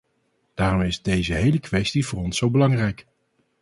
Daarom is deze hele kwestie voor ons zo belangrijk.